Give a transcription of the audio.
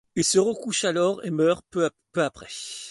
Il se recouche alors et meurt peu après.